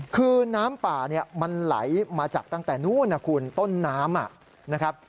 คือน้ำป่าเนี่ยมันไหลมาจากตั้งแต่นู้นนะคุณต้นน้ำนะครับ